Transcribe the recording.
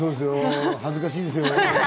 恥ずかしいですよ。